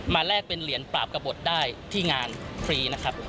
แลกเป็นเหรียญปราบกระบดได้ที่งานฟรีนะครับ